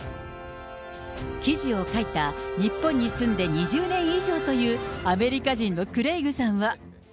記事を書いた日本に住んで２０年以上というアメリカ人のクレイグさんは。